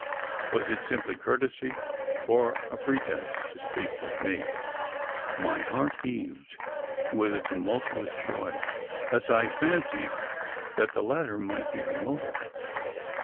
Was it simple courtesy, or a pretence to speak with me? My heart heaved with a tumultuous joy, as I fancied that the latter might be her motive.